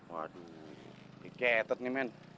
waduh diketet nih men